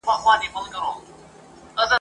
چېري چي نوم د مور په کورنۍ پوري تړلی دی